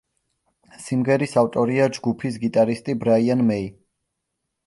სიმღერის ავტორია ჯგუფის გიტარისტი ბრაიან მეი.